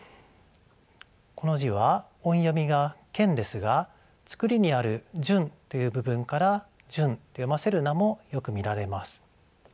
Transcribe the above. この字は音読みが「ケン」ですがつくりにある「旬」という部分から「ジュン」と読ませる名もよく見られます。